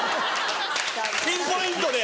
ピンポイントで。